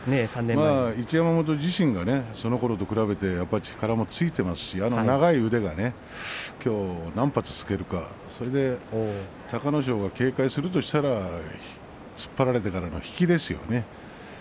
一山本がそのときから比べて、力もついてますから長い腕が何発、突くか隆の勝が警戒するとしたら突っ張られてからの引きですよね。